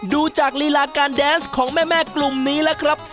ดูจากลีลาการแดนส์ของแม่กลุ่มนี้แล้วครับ